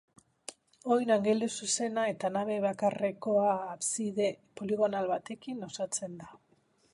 Oin angeluzuzena eta nabe bakarrekoa abside poligonal batekin osatzen da.